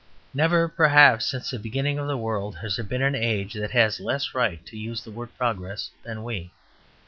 Never perhaps since the beginning of the world has there been an age that had less right to use the word "progress" than we.